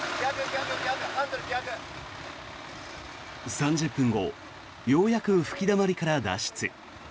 ３０分後ようやく吹きだまりから脱出。